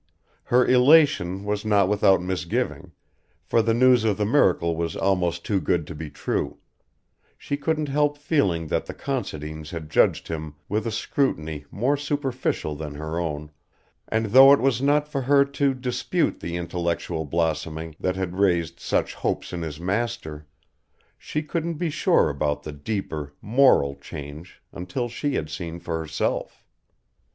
Her elation was not without misgiving, for the news of the miracle was almost too good to be true; she couldn't help feeling that the Considines had judged him with a scrutiny more superficial than her own, and though it was not for her to dispute the intellectual blossoming that had raised such hopes in his master, she couldn't be sure about the deeper, moral change until she had seen for herself.